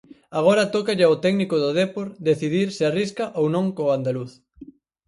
Agora tócalle ao técnico do Dépor decidir se arrisca ou non co andaluz.